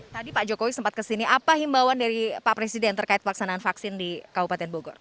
tadi pak jokowi sempat kesini apa himbauan dari pak presiden terkait pelaksanaan vaksin di kabupaten bogor